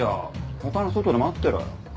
他の外で待ってろよ。